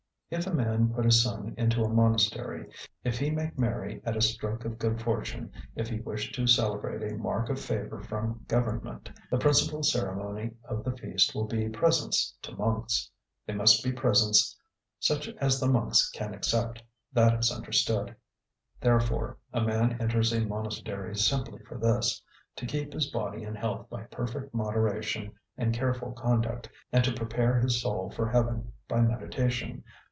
If a man put his son into a monastery, if he make merry at a stroke of good fortune, if he wish to celebrate a mark of favour from government, the principal ceremony of the feast will be presents to monks. They must be presents such as the monks can accept; that is understood. Therefore, a man enters a monastery simply for this: to keep his body in health by perfect moderation and careful conduct, and to prepare his soul for heaven by meditation.